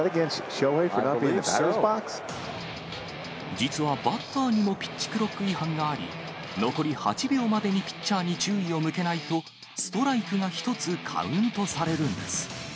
実はバッターにもピッチクロック違反があり、残り８秒までにピッチャーに注意を向けないと、ストライクが１つカウントされるんです。